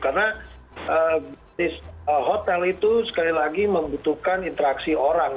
karena bisnis hotel itu sekali lagi membutuhkan interaksi orang